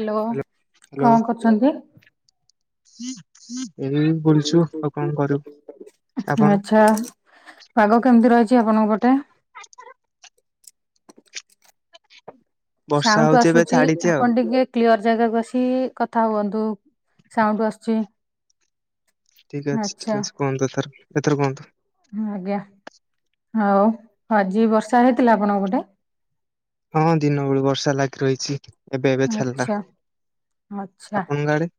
Hello କଣ କରୁଚନ୍ତି? ଏବେ ବି ବୁଲୁଛୁ ଆଉ କଣ କରିବୁ, ଆପଣ? କା ପାଗ କେମିତି ରହିଚି ଆପଣଙ୍କ ପଟେ? ବର୍ଷା ସାଉଣ୍ଡ ହଉଛି ଏବେ ଆସୁଚି ଛାଡିଛି ଆଉ ଆପଣ ଟିକେ କ୍ଲିଅର ଜାଗାକୁ ଆସିକି କଥା ହୁଅନ୍ତୁ ସାଉଣ୍ଡ ଆସୁଚି। ଠିକ୍ ଅଛି ଠିକ୍ ଅଛି କୁହନ୍ତୁ ଏଥର ଏଥର କୁହନ୍ତୁ। ଆଜ୍ଞା ଆଉ ଆଜି ବର୍ଷା ହେଇଥିଲା ଆପଣଙ୍କ ପଟେ? ହଁ ଦିନ ବେଳୁ ବର୍ଷା ଲାଗି ରହିଛି ଏବେ ଏବେ ଛାଡିଲା, ଆଚ୍ଛା ଆପଣଙ୍କ ଆଡେ?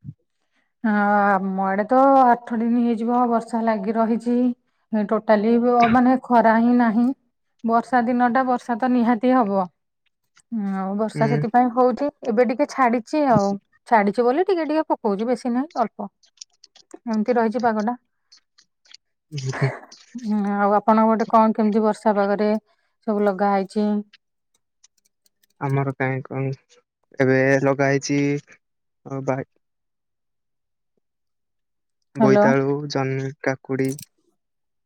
ହଁ ଆମ ଆଡେ ତ ଆଠ ଦିନି ହେଇଯିବ ବର୍ଷା ଲାଗି ରହିଚି। ଟୋଟାଲି ଅ ମାନେ ଖ ଖରା ହିଁ ନାହିଁ ବର୍ଷା ଦିନ ଟା ବର୍ଷା ତ ନିହାତି ହବ ଆଉ। ବର୍ଷା ହୁଁ ସେଥିପାଇଁ ହଉଚି ଏବେ ଟିକେ ଛାଡିଚି ଆଉ ଛାଡିଚି ବୋଲି ଟିକେ ଟିକେ ପକଉଚି ବେଶୀ ନାହିଁ ଅଳ୍ପ ଏମିତି ରହିଚି ପାଗଟା। [unintelligible] ହୁଁ ଆଉ ଆପଣଙ୍କ ପଟେ କଣ କେମିତି ବର୍ଷା ପାଗରେ ସବୁ ଲଗା ହେଇଛି? ଆମର କାଇଁ କଣ ଏବେ ଲଗା ହେଇଛି ଅ ବା- ହ୍ୟାଲୋ ବୋଇତାଳୁ, ଜହ୍ନି, କାକୁଡି।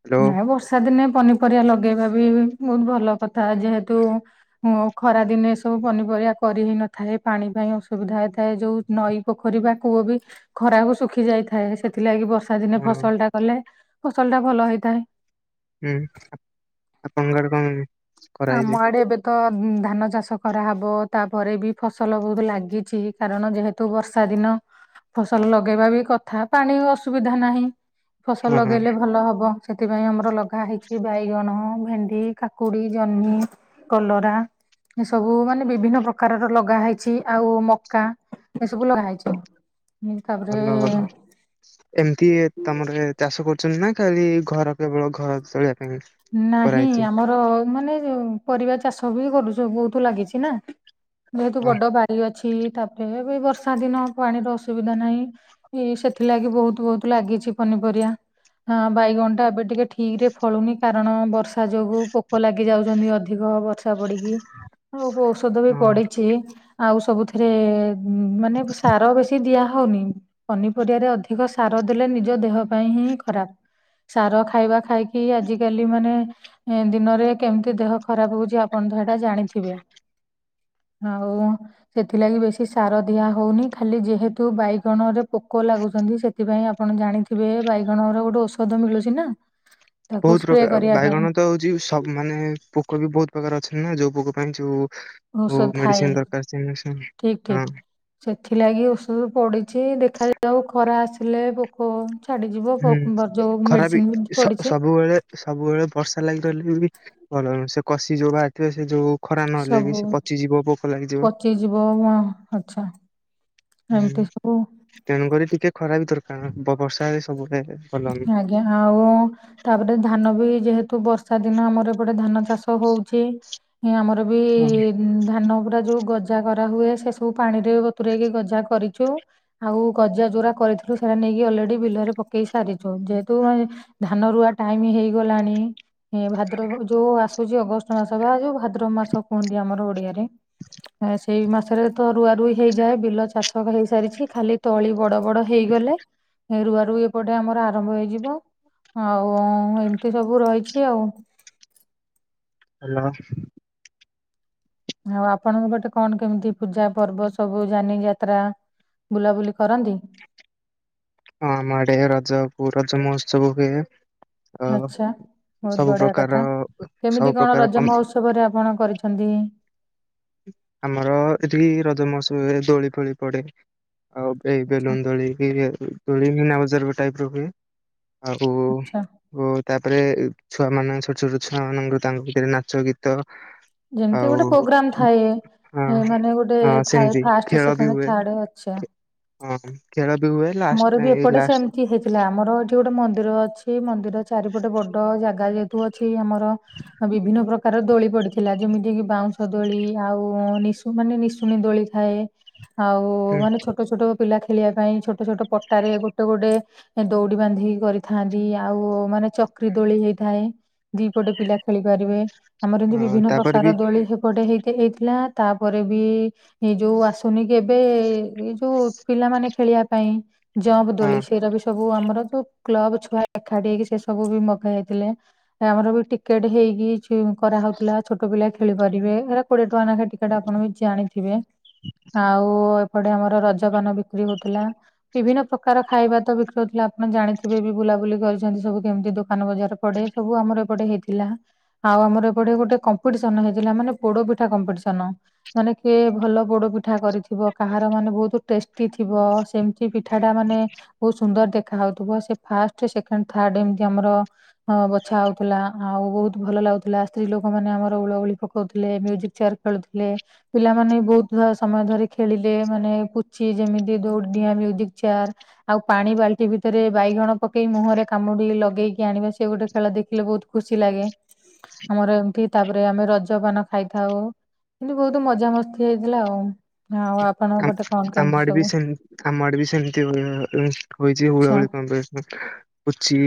ହ୍ୟାଲୋ ହେ ବର୍ଷା ଦିନେ ପନିପରିବା ଲଗେଇବା ବି ବହୁତ ଭଲ କଥା ଯେହେତୁ ହୁଁ ଖରା ଦିନେ ଏ ସବୁ ପନିପରିବା କରି ହେଇ ନଥାଏ ପାଣି ପାଇଁ ଅସୁବିଧା ହେଇଥାଏ ଯୋଉ ନଈ ପୋଖରୀ ବା କୂଅ ବି ଖରାକୁ ଶୁଖି ଯାଇଥାଏ ସେଥିଲାଗି ବ ବର୍ଷା ଦିନେ ହଁ ଫସଲ ଟା କଲେ ଫସଲ ଟା ଭଲ ହେଇଥାଏ। ହୁଁ ଆପଣଙ୍କ ଆଡ଼େ କଣ [unintelligible] ଆମ କରାହେଇଛି ଆଡେ଼ ଏବେ ତ ଧାନ ଚାଷ କରାହବ ତାପରେ ବି ଫସଲ ବହୁତ ଲାଗିଛି କାରଣ ଯେହେ ତୁ ବର୍ଷା ଦିନ ଫସଲ ଲଗେଇବା ବି କଥା ପାଣି ଅସୁବିଧା ନାହିଁ। ଫସଲ ହଁ ହଁ ଲଗେଇଲେ ଭଲ ହବ ସେଥିପାଇଁ ଆମର ଲଗା ହେଇଛି ବାଇଗଣ, ଭେଣ୍ଡି, କାକୁଡି ଜହ୍ନି, କଲରା। ଏ ସବୁ ମାନେ ବିଭିନ୍ନ ପ୍ରକାରର ଲଗା ହେଇଛି ଆଉ ମକା ଏ ସବୁ ଲଗା ହେଇଛି। ତାପରେ ଭଲ ଭଲ। ଏମତି ତମର ଚାଷ କରୁଛନ୍ତି ନା ଖାଲି ଘର କେବଳ ଘର ଚଳେଇବା ପାଇଁ ନାହିଁ କରାହେଇଛି? ଆମର ମାନେ ପରିବା ଚାଷ ବି କରୁଛ ବହୁତ ଲାଗିଛି ନା। ଯେହେତୁ ହଁ ବଡ଼ ବାଡ଼ି ଅଛି ତାପରେ ଏବେ ବର୍ଷା ଦିନ ପାଣିର ଅସୁବିଧା ନାହିଁ। ଇ ସେଥିଲାଗି ବୋହୁତ୍ ବୋହୁତ୍ ଲାଗିଛି ପନିପରିବା। ଆଁ ବାଇଗଣଟା ଏବେ ଟିକେ ଠିକ୍ ରେ ଫଳୁନି। କାରଣ ବର୍ଷା ଯୋଗୁ ପୋକ ଲାଗି ଯାଉଛନ୍ତି ଅଧିକ ବର୍ଷା ପଡି଼କି ଆଉ ବୋ ଓଷଧ ବି ହଁ ପଡ଼ିଛି ଆଉ ସବୁଥିରେ ମାନେ ସାର ବେଶୀ ଦିଆ ହଉନି। ପନିପରିବାରେ ଅଧିକ ସାର ଦେଲେ ନିଜ ଦେହ ପାଇଁ ହିଁ ଖରାପ। ସାର ଖାଇବା ଖାଇକି ଆଜିକାଲି ମାନେ ଦିନରେ କେମିତି ଦେହ ଖରାପ ହଉଚି ଆ ପଣ ତ ହେଇଟା ଜାଣିଥିବେ ଆଉ ସେଥିଲାଗି ବେଶି ସାର ଦିଆ ହଉନି ଖାଲି ଯେହେତୁ ବାଇଗଣରେ ପୋକ ଲାଗୁଚନ୍ତି ସେ ଥିପାଇଁ ଆପଣ ଜାଣିଥିବେ ବାଇଗଣର ଗୋଟେ ଔଷଧ ମିଳୁଚି ନା। ତାକୁ ବୋହୁତ ସ୍ପ୍ରେ ପ୍ରକାର କରିବା ପାଇଁ ବାଇଗଣ ତ ହୋଉଛି ତପ୍ ମାନେ ପୋକ ବି ବହୁତ ପ୍ରକାର ଅଛନ୍ତି ନା ଯୋଉ ପୋକ ପାଇଁ ଯୋଉ ଉ ଔଷଧ ଥାଏ ମେଡ଼ିସିନ୍ ଦରକାର ସେଇ ମେଡ଼ିସିନ୍ ଠିକ ଠିକ ହଁ। ସେଥିଲାଗି ଓଷଧ ପଡ଼ିଚି ଦେଖାଯାଉ ଖରା ଆସିଲେ ପୋକ ହୋଉ ଛାଡ଼ିଯିବ ହୁଁ ପୋକ୍ ଗ ଯୋଉ ଖରା ମେଡ଼ିସିନ୍ ବି ସ ପଡ଼ିଚି। ସବୁବେଳେ ସବୁବେଳେ ବର୍ଷା ଲାଗି ରହିଲେ ବି ଭଲ ନୁହଁ ସେ କଷି ଯୋଉ ବାହାରିଥିବେ ସେ ଯୋଉ ଖରା ନହେଲେ ବି ସବୁ ସେ ପଚିଯିବ ପୋକ ଲାଗିଯିବ ପଚିଯିବ ଅଁ ଗଛ। ହୁଁ ଏମତି ସବୁ। ତେଣୁକରି ଟିକେ ଖରା ବି ଦରକାର ବ ବର୍ଷା ହେଲେ ସବୁ ଟାଇମ୍ ରେ ଭଲ ନୁହଁ। ଏଁ ଆଉ ତାପରେ ଧାନ ବି ଯେହେତୁ ବର୍ଷା ଦିନ ଆମର ଏପଟେ ଧାନ ଚାଷ ହୋଉଚି। ଏଁ ଆମର ବି ନୁହଁ ଉଁ ଧାନ ପୁରା ଯୋଉ ଗଜା କରାହୁଏ ସେ ସବୁ ପାଣିରେ ବତୁରେଇକି ଗଜା କରିଚୁ। ଆଉ ଗଜା ଯୋଉରା କରିଥିଲୁ ସେରା ନେଇକି ଅଲ୍ରେଡି଼ ବିଲରେ ପକେଇ ସା ସାରିଚୁ ଯେହେତୁ ଧାନ ରୁଆ ଟାଇମ୍ ହେଇଗଲାଣି ଭାଦ୍ରବ ଯୋଉ ଆଶ ହୋଉଚି ଅଗଷ୍ଟ ମାସ ବା ଯୋଉ ଭାଦ୍ରବ ମାସ କୁହନ୍ତି ଆମର ଓଡ଼ିଆରେ। ଏ ସେଇ ମାସରେ ତ ରୁଆ ରୁଇ ହେଇଯାଏ ବିଲ ଚାଷ ହେଇସାରିଛି ଖାଲି ତଳି ବଡ଼ ବଡ଼ ହେଇଗଲେ ରୁଆ ରୁଇ ପଟେ ଆମର ଆରମ୍ଭ ହେଇଯିବ ଆଉ ଏମିତି ସବୁ ରହିଛି ଆଉ। ହ୍ୟାଲୋ। ଆଉ ଆପଣଙ୍କ ପଟେ କଣ କେମିତି ପୂଜା ପର୍ବ ସବୁ ଯାନି ଯାତ୍ରା? ବୁଲାବୁଲି କରନ୍ତି। ହଁ ଆମ ଆଡ଼େ ରଜକୁ ରଜ ମହୋତ୍ସବ ହୁଏ। ଅ ଆଚ୍ଛା ବୋହୁତ ସବୁ ବଢ଼ିଆ ପ୍ରକାର କଥା ସବୁ କେମିତି କଣ ପ୍ରକାର ରଜ କମ୍- ମହୋତ୍ସବରେ ଆପଣ କରିଛନ୍ତି? ଆମର ଏଠି ରଜମହୋତ୍ସବରେ ଦୋଳି ଫୋଳି ପଡ଼େ। ଆଉ ଏଇ ଆଚ୍ଛା ବେଲୁନ ଦୋଳିକି ଦୋଳି ମିନା ବଜାର ଟାଇପ୍ ର ହୁଏ। ଆଉ ଆଚ୍ଛା ଉ ତାପରେ ଛୁଆ ମାନ ଛୋଟ ଛୋଟ ଛୁଆ ମାନଙ୍କ ତାଙ୍କ ଭିତରେ ନାଚ ଗୀତ ଯେମିତି ଆଉ ଗୋଟେ ପୋଗ୍ରାମ ଥାଏ ହଁ ମାନେ ଗୋଟେ ହଁ ଥାଏ ସେମିତି ଫାଷ୍ଟ, ଖେଳ ବି ସେକେଣ୍ଡ, ହୁଏ ଥାର୍ଡ଼ ଆଚ୍ଛା। ହଁ ଖେଳ ବି ହୁଏ ଲାଷ୍ଟା ଏଇ ଲାଷ୍ଟ ହେଲେ ଆମର ଏଠି ଗୋଟେ ମନ୍ଦିର ଅଛି ମନ୍ଦିର ଚାରିପଟେ ବଡ଼ ଜାଗା ଯେହେତୁ ଅଛି ଆମର ବିଭିନ୍ନ ପ୍ରକାର ଦୋଳି ପଡିଥିଲା ଯେମିତି କିି ବାଉଁଶ ଦୋଳି ଆଉ ନିସ୍ ମାନେ ନିଶୁଣି ଦୋଳି ଥାଏ ଆଉ ହୁଁ ମାନେ ଛୋଟ ଛୋଟ ପିଲା ଖେଳିବା ପାଇଁ। ଛୋ ଛୋଟ ଛୋଟ ପଟାରେ ଗୋଟେ ଗୋଟେ ଦୌଡି ବାନ୍ଧିକି କରିଥାନ୍ତି ଆଉ ମାନେ ଚକ୍ରୀ ଦୋଳି ହେଇଥାଏ। ଦିପଟେ ପିଲା ଖେଳି ପାରିବେ ଆମରବି ହଁ ବିଭିନ୍ନ ତାପରେ ପ୍ରକାର ବି ଦୋଳି ଗୋଟେ ହେଇ ହେଇଥିଲା ତାପରେ ବି ଏଇ ଯୋଉ ଆସୁନି କି ଏବେ ଏଇ ଯୋଉ ପିଲାମାନେ ଖେଳିବା ପାଇଁ। ଜମ୍ପ ହଁ ଦୋଳି ସେଇରା ବି ସବୁ ଆମର ଯୋଉ କ୍ଲବ୍ ଛୁଆ ଏକାଠି ହେଇକି ସେ ସବୁ ବି ମଗା ହେଇଥିଲା। ତାପରେ ବି ଟିକେଟ ହେଇକି କରାହଉଥିଲା ଛୋଟ ପିଲା ଖେଳିପାରିବେ ହେରା କୋଡିଏ ଟଙ୍କା ନେଖା ଟିକେଟ ଆପଣ ବି ଜାଣିଥିବେ। ଆଉ ଏପଟେ ଆମର ରଜପାନ ବିକ୍ରି ହଉଥିଲା। ବିଭିନ୍ନ ପ୍ରକାର ଖାଇବା ତ ବିକ୍ରି ହଉଥିଲା ଆପଣ ଜାଣିଥିବେ ବି ବୁଲାବୁଲି କରିଛନ୍ତି ସବୁ କେମିତି ଦୋକାନ ବଜାର ପଡେ। ସବୁ ଆମର ଏପଟେ ହେଇଥିଲା। ଆଉ ଆମର ଏପଟେ ଗୋଟେ କମ୍ପିଟିସନ ହେଇଥିଲା, ମାନେ ପୋଡ ପିଠା କମ୍ପିଟିସନ। ମାନେ କିଏ ଭଲ ପୋଡ ପିଠା କରିଥିବ କାହାର ମାନେ ବହୁତ ଟେଷ୍ଟି ଥିବ, ସେମତି ପିଠା ଟା ମାନେ ବହୁତ ସୁନ୍ଦର ଦେଖାହଉଥିବ, ସେ ଫାଷ୍ଟ ସେକେଣ୍ଡ ଥାର୍ଡ ଏମିତି ଆମର ବଛା ହଉଥିଲା, ଆଉ ବହୁତ ଭଲ ଲାଗୁଥିଲା। ସ୍ତ୍ରୀ ଲୋକମାନେ ଆମର ହୁଳହୁଳି ପକଉଥିଲେ ମ୍ୟୁଜିକ ଚେୟାର ଖେଳୁଥିଲେ। ପିଲାମାନେ ବହୁତ ସମୟ ଧରି ଖେଳିଲେ ମାନେ ପୁଚି ଯେମିତି ଦୌଡିଡିଆଁ, ମ୍ୟୁ ଚେୟାର। ଆଉ ପାଣି ବାଲ୍ଟି ଭିତରେ ବାଇଗଣ ପକେଇ ମୁହଁରେ କାମୁଡି ଲଗେଇକି ଆଣିବା ସେ ଗୋଟେ ଖେଳ ଦେଖିଲେ ବହୁତ୍ ଖୁସି ଲାଗେ ଆମର ଏମତି। ତାପରେ ଆମେ ରଜପାନ ଖାଇଥାଉ। କିନ୍ତୁ ବହୁତ ମଜାମସ୍ତି ହେଇଥିଲା ଆଉ। ଆପଣଙ୍କ ପଟେ କଣ ଆଚ୍ଛା ଆମ କେମିତି ଆଡ଼େ ବି ସବୁ ସେମ୍ ଆମଆଡ଼େ ବି ସେମତି ହୁଏ ହୋଇଛି ଆଛା ହୁଳହୁଳି କମ୍ପିଟିସନ୍। ପୁଚି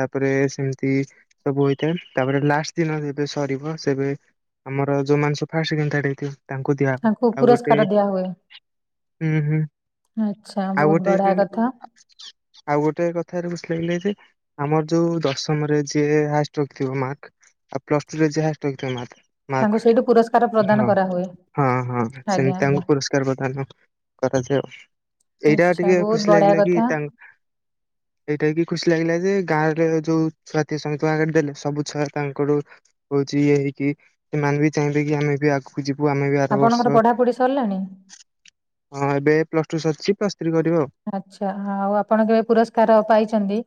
ତାପରେ ସେମିତି ସବୁ ହୋଇଥାଏ। ତାପରେ ଲାଷ୍ଟ ଦିନ ଯେବେ ସରିବ ସେବେ ଆମର ଯୋଉମାନେ ସବୁ ଫାଷ୍ଟ, ସେକେଣ୍ଡ, ଥାର୍ଡ ହେଇଥିବେ ତାଙ୍କୁ ଦିଆହବ। ଆଉ ଗୋଟେ ପୁରସ୍କାର ଦିଆ ହୁଏ। ହୁଁ ହୁଁ ଆଚ୍ଛା ଆଉ ବହୁତ ଗୋଟେ ବଢିଆ କଥା ଆଉ ଗୋଟେ କଥାରୁ ଖୁସୀ ଲାଗିଲା ଯେ ଆମର ଯୋଉ ଦଶମରେ ଯିଏ ହାଏଷ୍ଟ ରଖିଥିବ ମାର୍କ। ଆଉ ପ୍ଲସ ଟୁ ରେ ଯିଏ ହାଏଷ୍ଟ ରଖିଥିବ ମାର୍କ। ତାଙ୍କୁ ସେଇଠୁ ପୁରସ୍କାର ମାର୍କ ପ୍ରଦାନ କରାହୁଏ ହଁ ହଁ ହଁ ଆଜ୍ଞା ସେମିତି ଆଜ୍ଞା। ତାଙ୍କୁ ପୁରସ୍କାର ପ୍ରଦାନ କରାଯାଏ ଆଉ। ଏଇଟା ଆଚ୍ଛା ଟିକେ ବହୁତ ଖୁସୀ ବଢିଆ ଲାଗିଲା କି କଥା ତାଙ୍କ ଏଇଟା କି ଖୁସୀ ଲାଗିଲା ଯେ ଗାଁ ରେ ଯୋଉ ଛୁଆଥିବେ ସମସ୍ତଙ୍କ ଆଗରେ ଦେଲେ ସବୁ ଛୁଆ ତାଙ୍କର ହଉଛି ଇଏ ହେଇକି, ସେମାନେ ବି ଚାହିଁବେ କି ଆମେ ବି ଆଗକୁ ଯିବୁ ଆମେ ବି ଆର ବର୍ଷ ପୁରି ସରିଲାଣି? ହଁ ଏବେ ପ୍ଲସ୍ ଟୁ ସରିିଛି ପ୍ଲସ୍ ଥ୍ରୀ କରିବ ଆଉ। ଆଚ୍ଛା, ଆଉ ଆପଣ କେବେ ପୁରସ୍କାର ପାଇଛନ୍ତି?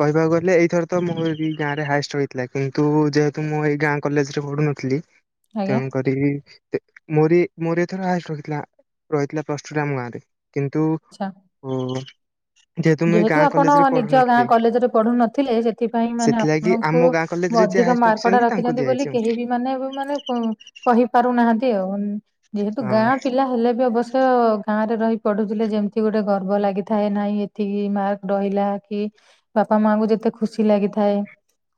କହିବାକୁ ଗଲେ ଏଇଥର ତ ମୋର ଏଇ ଗାଁ ରେ ହାଏଷ୍ଟ ହେଇଥିଲା, କିନ୍ତୁ ଯେହେତୁ ମୁଁ ଏଇ ଗାଁ କଲେଜ ରେ ପଢୁନ ଥିଲି, ଆଜ୍ଞା ତେଣୁକରି ମୋରି ମୋର ଏଥର ହାଏଷ୍ଟ ରଖିଥିଲା ରହିଥିଲା ପ୍ଲସ ଟୁରେ ଆମ ଗାଁରେ। କିନ୍ତୁ ଆଚ୍ଛା। ଯେହେତୁ ମୁଁ ଏ ଗାଁ ଆପଣ କଲେଜ ରେ ନିଜ ପଢୁନଥିଲି। ଗାଁ କଲେଜରେ ପଢୁ ନଥିଲେ, ସେଥିପାଇଁ ମାନେ ସେଥିଲାଗି ଆପଣଙ୍କୁ ଆମ ଗାଁ କଲେଜରେ ଯିଏ ଅଧିକ ହାଏଷ୍ଟ ମାର୍କଟା ତାଙ୍କୁ ରଖିଛନ୍ତି ବୋଲି, ଦିଆଯାଇଛି କେହି ବି ମାନେ ଏବେ ମାନେ କହିପାରୁନାହାନ୍ତି ଆଉ। ଯେହେତୁ ଆଉ ଗାଁ ପିଲା ହେଲେ ବି ଅବଶ୍ୟ ଗାଁ ରେ ରହି ପଢୁଥିଲେ ଯେମିତି ଗୋଟେ ଗର୍ବ ଲାଗିଥାଏ। ନାଇଁ ଏତ୍ ଏତିକି ମାର୍କ ରହିଲା କି ବାପା ମାଙ୍କୁ ଯେତେ ଖୁସି ଲାଗିଥାଏ।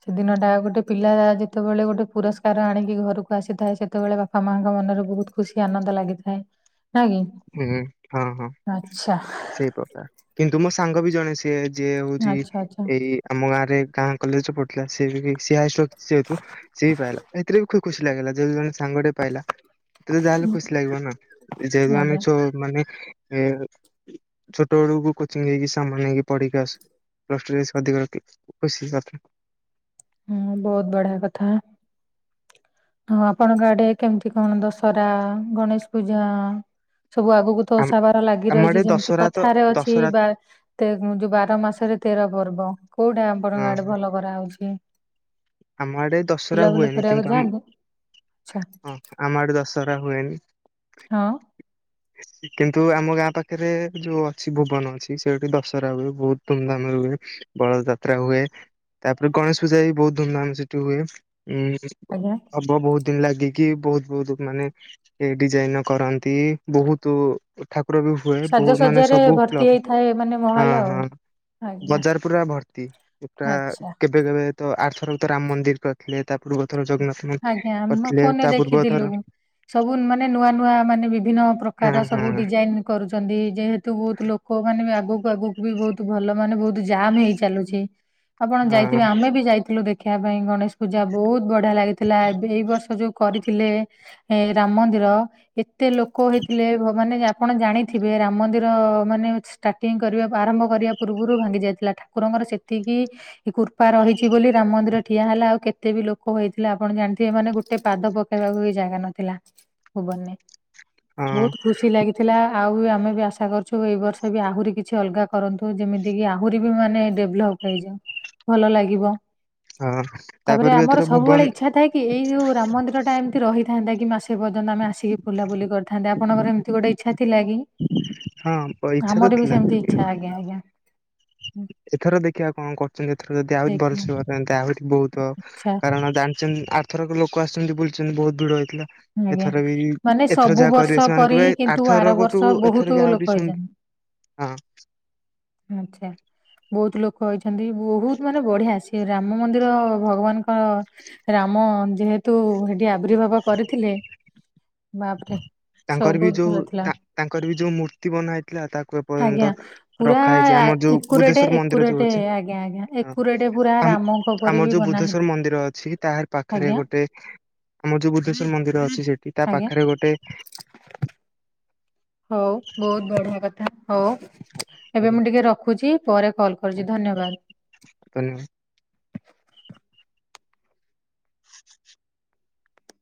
ସେଦିନ ଟା ଗୋଟେ ପିଲା ଯେତେବେଳେ ଗୋଟେ ପୁରସ୍କାର ଆଣିକି ଘରକୁ ଆସିଥାଏ। ସେତେବେଳେ ବାପା ବାପା ମାଙ୍କ ମନରେ ବହୁତ ଖୁସି ଆନନ୍ଦ ଲାଗିଥାଏ। ନା କି ହୁଁ, ହଁ ହଁ ଆଚ୍ଛା ସେଇ ପ୍ରକାର। କିନ୍ତୁ ମୋ ସାଙ୍ଗ ବି ଜଣେ ସିଏ ଯିଏ ହଉଚି, ଆଚ୍ଛା ଆଚ୍ଛା ଏଇ ଆମ ଗାଁରେ ଗାଁ କଲେଜ ରେ ପଢୁଥିଲା ସିଏ ହାଏଷ୍ଟ ସିଏ ବି ପାଇଲା, ଏଥିରେ ବି ଖୁସି ଲାଗିଲା ଯେହେତୁ ଜଣେ ସାଙ୍ଗଟେ ପାଇଲା ତ ଯାହେଲେ ଖୁସି ଲାଗିବ ନା, ଯେହେତୁ ଆମେ ଆଜ୍ଞା ଛୋ ମାନେ ଏ ଛୋଟ ବେଳୁ କୋଚିଂ ହେଇକି ସାଙ୍ଗ ହେଇକି ପଢିକି ଆସୁ। [inaudible] ହୁଁ ବହୁତ୍ ବଢିଆ କଥା। ଆଉ ଆପଣଙ୍କ ଆଡେ କେମିତି କଣ ଦଶହରା ଗଣେଶ ପୂଜା? ସବୁ ଆଗକୁ ତ ଆମ ଓଷା ବାର ଲାଗି ଆମ ରହିଛି ଆଡେ ଯେମିତି ଦଶହରା ତ କଥାରେ ଅଛି। ଦଶହରା ବା ଯୋଉ ବାର ମାସରେ ତେର ପର୍ବ କୋଉଟା ହଁ ଆପଣଙ୍କ ଆଡେ ହଁ ଭଲ କରାଯାଉଛି? ଆମ ଆଡେ ଦଶହରା ହୁଏନି। କରିବାକୁ କିନ୍ତୁ ଯାଆନ୍ତି ଆଚ୍ଛା ଆମ ଆମ ଆଡେ ଦଶହରା ହୁଏନି। ହଁ। କିନ୍ତୁ ଆମ ଗାଁ ପାଖରେ ଯୋଉ ଅଛି ଭୁବନ ଅଛି ସେଇଠି ଦଶହରା ହୁଏ, ବହୁତ ଧୁମଧାମ ରେ ହୁଏ। ଦୋଳ ଯାତ୍ରା ହୁଏ, ତାପରେ ଗଣେଶ ପୂଜା ବି ବହୁତ ଧୁମଧାମ୍ ସେଠି ହୁଏ। ଉଁ ଆଜ୍ଞା। ହବ ବହୁତ ଦିନ ଲାଗିକି, ବହୁତ ବହୁତ ମାନେ ଏ ଡିଜାଇନ କରନ୍ତି, ବହୁତ ଠାକୁର ବି ହୁଏ ବହୁତ୍ ମାନେ ସାଜସଜ୍ଜାରେ ଭର୍ତ୍ତି ସବୁ୍କ୍ଲବ୍ ହେଇଥାଏ ମାନେ ହଁ ମହଲ ଆଉ ହଁ। ଆଜ୍ଞା ବଜାର ପୁରା ଭର୍ତ୍ତି, ଏ କା ଆଚ୍ଛା। ଏବେ କେବେ ତ ଆରଥରତ ରାମ ମନ୍ଦିର ପାଖେ ତା ପୂର୍ବ ଥର ଜଗନ୍ନାଥ ମନ୍ଦିର ଆଜ୍ଞା, ଆମେ କରିଥିଲେ ଫୋନରେ ତା ପୂର୍ବ ଥର ଦେଖିଥିଲୁ। ସବୁ ମାନେ ନୂଆ ନୂଆ ମାନେ ବିଭିନ୍ନ ହଁ ପ୍ରକାର ହଁ ସବୁ ଡିଜାଇନ୍। କରୁଚନ୍ତି, ଯେହେତୁ ବହୁତ ଲୋକମାନେ ବି ଆଗକୁ ଆଗକୁ ବି ବହୁତ ଭଲ ମାନେ ବହୁତ ଜାମ୍ ହେଇ ଚାଲୁଛି, ଆପଣ ହଁ ଯାଇଥିବେ, ଆମେ ବି ଯାଇଥିଲୁ ଦେଖ୍ ଦେଖିବା ପାଇଁ ଗଣେଶ ପୂଜା ବହୁତ ବଢିଆ ଲାଗେ। ଥିଲା ଏବେ ଏଇ ବର୍ଷ ଯୋଉ କରିଥିଲେ ଏ ରାମ ମନ୍ଦିର କେତେ ଲୋକ ହେଇଥିଲେ, ଭବାନି ଯାନ୍ ଆପଣ ଜାଣିଥିବେ ରାମ ମନ୍ଦିର ମାନେ ଷ୍ଟାର୍ଟିଂ କରିବା ଆରମ୍ଭ କରିବା ପୂର୍ବରୁ ଭାଙ୍ଗି ଯାଇଥିଲା। ଠାକୁରଙ୍କର ସେ ସେତିକି କୃପା ରହିଛି ବୋଲି ରାମ ମନ୍ଦିର ଠିଆ ହେଲା ଆଉ କେତେ ବି ଲୋକ ହେଉଥିଲେ। ଥିଲା ଆପଣ ଜାଣିଥିବେ ମାନେ ଗୋଟେ ପାଦ ପକେଇବାକୁ ବି ଜାଗା ନଥିଲା, ଭୁବନରେ। ହଁ ବହୁତ୍ ଖୁସି ଲାଗେ। ଥିଲା ଆଉ ଆମେ ବି ଆଶା କରୁଚୁ ଏବର୍ଷ ବି ଆହୁରି କିଛି ଅଲଗା କରନ୍ତୁ, ଯେମିତିକି ଆହୁରି ବି ମାନେ ଡେଭଲପ୍ ହେଇଯାଉ ଭଲ ଲାଗିବ। ହଁ ତାପରେ ବି ଆମର ଏଥର ସବୁବେଳେ ଭୁବନ ଇଚ୍ଛା ଥାଏ କି ଏଇ ଯୋଉ ରାମ ମନ୍ଦିରଟା ଏମିତି ରହିଥାନ୍ତା, କି ମାସେ ପର୍ଯ୍ୟନ୍ତ ଆମେ ଆସିକି ବୁଲାବୁଲି କରିଥାନ୍ନ୍ତି ଆପଣଙ୍କର ହେମତି ଗୋଟେ ଇଚ୍ଛା ଥିଲା କି? ହଁ ପ- ଇଚ୍ଛା ତ ଆମର ବି ଥିଲା ସେମିତି ଛା ଆଜ୍ଞା ଆଜ୍ଞା। ଏଥର ଦେଖିଆ କଣ କରୁଚନ୍ତି ଏଥର ଯଦି ଆହୁରି ଦେଖିବା ଭଲସ ଆହୁରି ବୋହୁତ ଇଚ୍ଛା କାରଣ ଜାଣ ଛନ୍ ଆରଥରକ ଲୋକ ଆସଚନ୍ତି ବୁଲଚନ୍ତି ବୋହୁତ ଭିଡ ହେଇଥିଲା। ଆଜ୍ଞା ଏଥର ବି ମାନେ ଏଥର ସବୁ ଯାହା ବର୍ଷ କରିବେ ସେମାନେ ପରି କହିବେ ଏଇ କିନ୍ତୁ ଆର ଥରକଠୁ ବର୍ଷ ବହୁତ ଏଥର ବି ଲୋକ ଆହୁରି ସୁନ ହେଇଛନ୍ତି। ହଁ। ଆଛା ବୋହୁତ ଲୋକ ହେଇଛନ୍ତି ବୋହୁତ ମାନେ ବଢିଆ ଆସି ଏ ରାମ ମନ୍ଦିର ଭଗବାନଙ୍କ ରାମ ଯେହେତୁ ଆବ୍ରିଭାବ କରିଥିଲେ ବାପରେ। ସବୁ ତାଙ୍କର ବି ବହୁତ ଯୋଉ ଭଲ ଥିଲା ତା ତାଙ୍କର ବି ଯୋଉ ମୂର୍ତ୍ତି ବନା ହେଇଥିଲା ତାକୁ ଆଜ୍ଞା। ଏପର୍ଯ୍ୟନ୍ତ ର ପୁରା ରଖାହେଇଚି ଆମର ଯୋଉ ଏକୁରେଟ ବୁଧେଶ୍ଵର ମନ୍ଦିର ଏକୁରେଟ ଯୋଉ ଅଛି ଆଜ୍ଞା ଆଜ୍ଞା ହଁ ଏକୁରେଟ ପୁରା ଆମ୍ ରାମଙ୍କ ପରି ବି ଆମର ଯୋଉ ବନା ବୁଦ୍ଧେଶ୍ଵର ହେଇଥିଲା ମନ୍ଦିର ଅଛି ତାହାର ପାଖରେ ଆଜ୍ଞା ଗୋଟେ ଏ ଆମ ଯୋଉ ବୁଦ୍ଧେଶ୍ବର ମନ୍ଦିର ଅଛି ସେଠି ତା ଆଜ୍ଞା ପାଖରେ ଗୋଟେ ହୋଉ ବୋହୁତ ବଢିଆ କଥା ହୋଉ ଏବେ ଆଜ୍ଞା ମୁଁ ଟିକେ ରଖୁଚି ପରେ କଲ୍ କରୁଚି ଧନ୍ୟବାଦ। ତିନସ